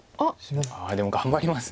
ああでも頑張ります。